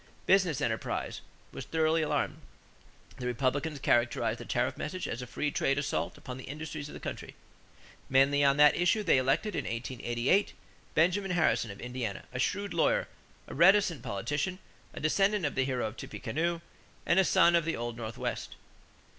Business enterprise was thoroughly alarmed. The Republicans characterized the tariff message as a free trade assault upon the industries of the country. Mainly on that issue they elected in 1888 Benjamin Harrison of Indiana, a shrewd lawyer, a reticent politician, a descendant of the hero of Tippecanoe, and a son of the old Northwest.